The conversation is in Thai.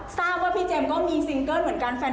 ทราบว่าพี่เจมส์ก็มีซิงเกิ้ลเหมือนกัน